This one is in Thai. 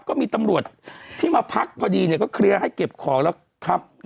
ก็มีตำรวจที่มาพักพอดีเนี่ยก็เคลียร์ให้เก็บของแล้วครับ